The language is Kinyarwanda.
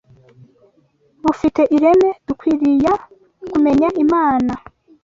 bufite ireme, dukwiriya kumenya Imana